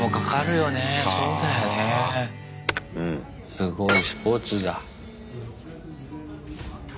すごいスポーツだ。